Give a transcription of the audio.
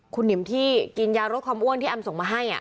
คุณหนิมที่กินยาลดความอ้วนที่แอมส่งมาให้